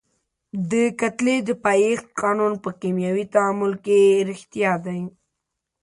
د کتلې د پایښت قانون په کیمیاوي تعامل کې ریښتیا دی.